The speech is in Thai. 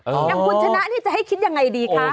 อย่างคุณชนะนี่จะให้คิดยังไงดีคะ